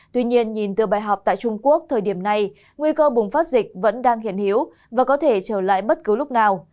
tuy nhiên nhìn từ bài học tại trung quốc thời điểm này nguy cơ bùng phát dịch vẫn đang hiện hiếu và có thể trở lại bất cứ lúc nào